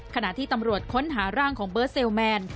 ขณะที่ตำรวจค้นหาร่างของเบิร์ดเซลแมน